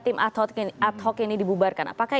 tim ad hoc ini dibubarkan apakah